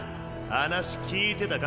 話聞いてたか？